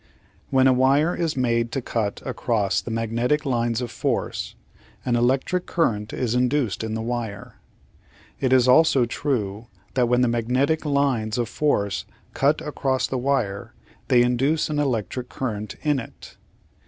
When a wire is made to cut across magnetic lines of force an electric current is induced in the wire. It is also true that when the magnetic lines of force cut across the wire they induce an electric current in it.